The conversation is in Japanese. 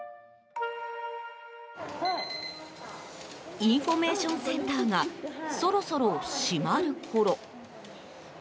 インフォメーションセンターがそろそろ閉まるころ